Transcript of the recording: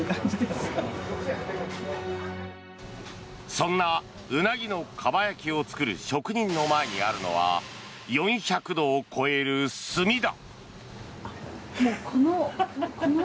そんなウナギのかば焼きを作る職人の前にあるのは４００度を超える炭だ。